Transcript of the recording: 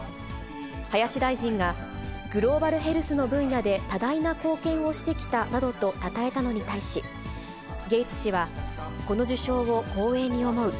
林大臣が、グローバルヘルスの分野で多大な貢献をしてきたなどとたたえたのに対し、ゲイツ氏は、この受章を光栄に思う。